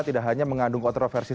tidak hanya mengandung kontroversi